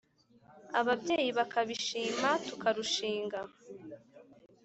Ababyeyi bakabishima tukarushinga.